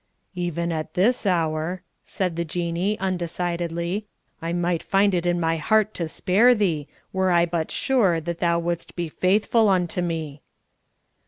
"Even at this hour," said the Jinnee, undecidedly, "I might find it in my heart to spare thee, were I but sure that thou wouldst be faithful unto me!"